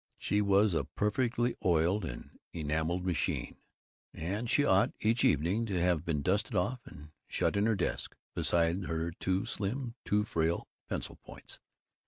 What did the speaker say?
She was a perfectly oiled and enameled machine, and she ought, each evening, to have been dusted off and shut in her desk beside her too slim, too frail pencil points.